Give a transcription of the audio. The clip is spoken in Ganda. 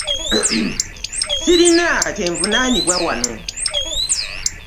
Ssirina kye nvunaanibwa wano.